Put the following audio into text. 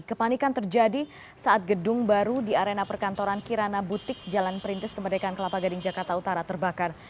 kepanikan terjadi saat gedung baru di arena perkantoran kirana butik jalan perintis kemerdekaan kelapa gading jakarta utara terbakar